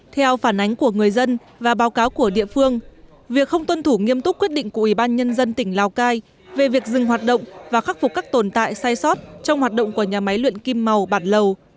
theo phản ánh của người dân và báo cáo của địa phương việc không tuân thủ nghiêm túc quyết định của ủy ban nhân dân tỉnh lào cai về việc dừng hoạt động và khắc phục các tồn tại sai sót trong hoạt động của nhà máy luyện kim màu bản lầu